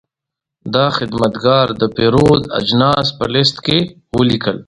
دا خدمتګر د پیرود اجناس په لېست کې ولیکل.